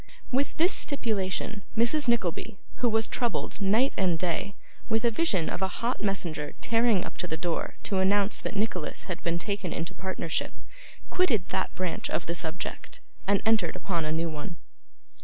With this stipulation, Mrs. Nickleby, who was troubled, night and day, with a vision of a hot messenger tearing up to the door to announce that Nicholas had been taken into partnership, quitted that branch of the subject, and entered upon a new one.